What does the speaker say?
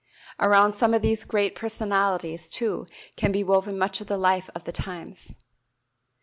Around some of these great personalities, too, can be woven much of the life of the times.